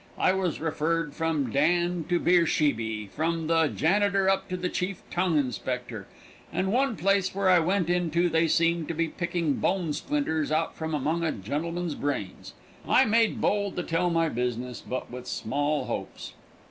I was referred from Dan to Beersheby, from the janiter up to the chief tongue inspector, and one place where I went into they seemed to be picking bone splinters out from among a gentleman's brains. I made bold to tell my business, but with small hopes.